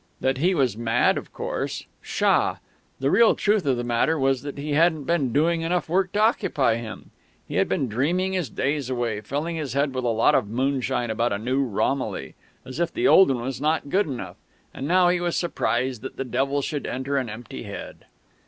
That he was mad, of course.... Pshaw! The real truth of the matter was that he hadn't been doing enough work to occupy him. He had been dreaming his days away, filling his head with a lot of moonshine about a new Romilly (as if the old one was not good enough), and now he was surprised that the devil should enter an empty head!